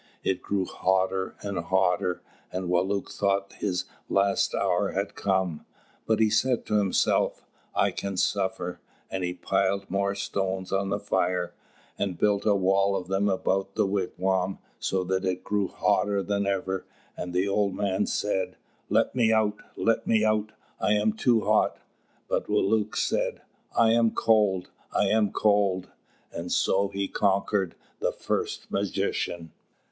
It grew hotter and hotter, and Wālūt thought his last hour had come; but he said to himself, "I can suffer," and he piled more stones on the fire, and built a wall of them about the wigwam, so that it grew hotter than ever, and the old man said, "Let me out, let me out, I am too hot!" But Wālūt said, "I am cold, I am cold!" and so he conquered the first magician.